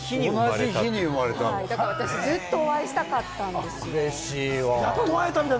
だから私、ずっとお会いしたかったんですよ。